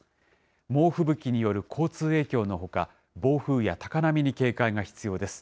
猛吹雪による交通の影響のほか、暴風や高波に警戒が必要です。